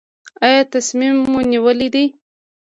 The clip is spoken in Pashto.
ایا تصمیم مو نیولی دی؟